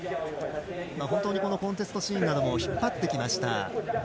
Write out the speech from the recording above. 本当にコンテストシーンなども引っ張ってきました。